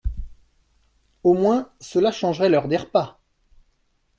Au moins cela changerait l'heure des repas !